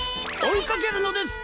おいかけるのです！